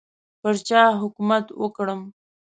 پر چا حکومت وکړم.